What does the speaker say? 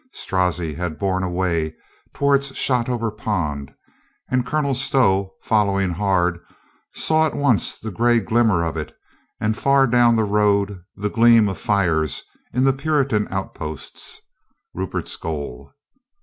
Strozzi had borne away toward Shotover pond and Colonel Stow, following hard, saw at once the gray glimmer of it and far down the road the gleam of fires in the Puritan outposts, Rupert's goal.